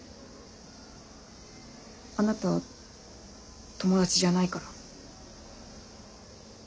あなたは友達じゃないから。